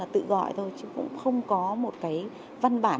tự gọi thôi chứ cũng không có một cái văn bản